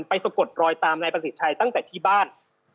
สะกดรอยตามนายประสิทธิ์ชัยตั้งแต่ที่บ้าน